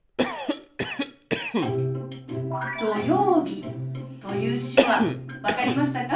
「土曜日」という手話分かりましたか？